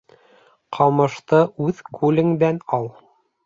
Ҡамышты үҙ күлеңдән ал.